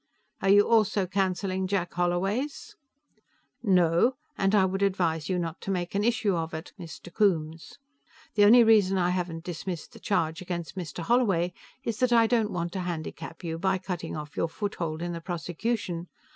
"Are you also canceling Jack Holloway's?" "No, and I would advise you not to make an issue of it, Mr. Coombes. The only reason I haven't dismissed the charge against Mr. Holloway is that I don't want to handicap you by cutting off your foothold in the prosecution.